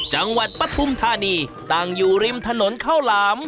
จังหวัดปฐุมธานีตั้งอยู่ริมถนนเข้าหลาม